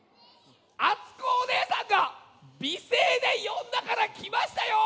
あつこおねえさんがびせいでよんだからきましたよ。